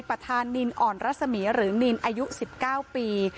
ประธานินอ่อนรัศมีหรือนินอายุ๑๙ปี